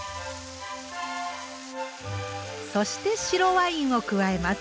そして白ワインを加えます。